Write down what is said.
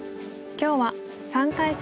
今日は３回戦